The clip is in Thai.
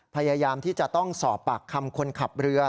พยายามที่จะต้องสอบปากคำคนขับเรือ